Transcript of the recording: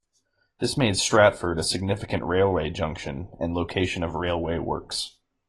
This made Stratford a significant railway junction and location of railway works.